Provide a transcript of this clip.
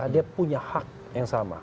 dia punya hak yang sama